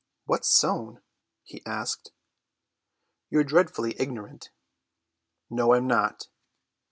"What's sewn?" he asked. "You're dreadfully ignorant." "No, I'm not."